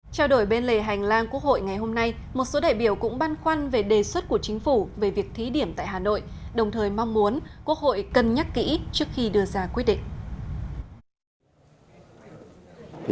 trao đổi bên lề hành lang quốc hội ngày hôm nay một số đại biểu cũng băn khoăn về đề xuất của chính phủ về việc thí điểm tại hà nội đồng thời mong muốn quốc hội cân nhắc kỹ trước khi đưa ra quyết định